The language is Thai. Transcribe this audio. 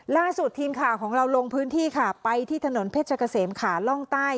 ล่าสุดทีมข่าวของเราลงพื้นที่ค่ะไปที่ถนนเพชรเกษมขาล่องใต้